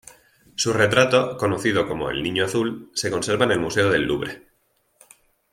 Su retrato, conocido como "El niño azul", se conserva en el Museo del Louvre.